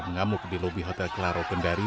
mengamuk di lobi hotel klaro bendari